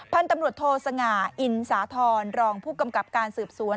พันธุ์ตำรวจโทสง่าอินสาธรณรองผู้กำกับการสืบสวน